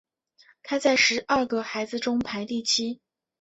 他在十二个孩子中排第七。